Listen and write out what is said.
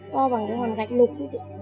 to bằng cái hoàn gạch lục